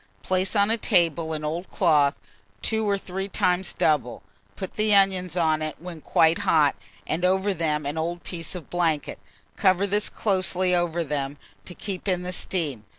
Place on a table an old cloth, 2 or 3 times double; put the onions on it when quite hot, and over them an old piece of blanket; cover this closely over them, to keep in the steam.